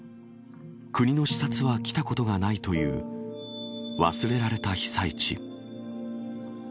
国の視察は来たことがないという忘れられた被災地。